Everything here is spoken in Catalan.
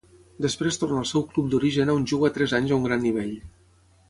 Després torna al seu club d'origen on juga tres anys a un gran nivell.